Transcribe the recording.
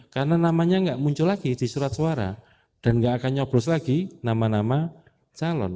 karena namanya enggak muncul lagi di surat suara dan enggak akan nyoblos lagi nama nama calon